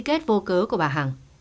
các quy kết vô cớ của bà hằng